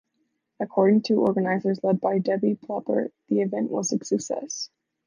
According to organizers led by Debbie Plopper, the event was a success.